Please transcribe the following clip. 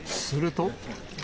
すると。